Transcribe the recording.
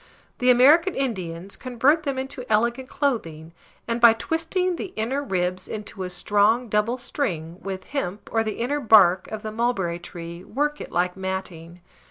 The American Indians convert then into an elegant clothing, and, by twisting the inner ribs into a strong double string, with hemp or the inner bark of the mulberry tree, work it like matting.